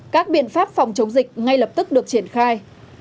các biện pháp phòng chống dịch ngay lập tức được triển khai